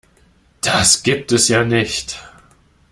Das gibt es ja nicht!